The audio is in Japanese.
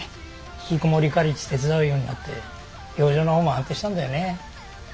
ひきこもりカレッジ手伝うようになって病状の方も安定したんだよね。